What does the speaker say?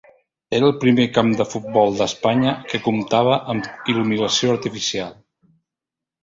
Era el primer camp de futbol d'Espanya que comptava amb il·luminació artificial.